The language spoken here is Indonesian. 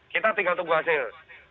kita tinggal tunggu hasil